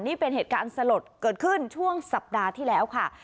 นี่เป็นเหตุการณ์สลดเกิดขึ้นช่วงสัปดาห์ที่แล้วค่ะ